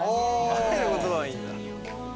愛の言葉はいいんだ。